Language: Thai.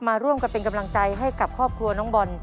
มาร่วมกันเป็นกำลังใจให้กับครอบครัวน้องบอล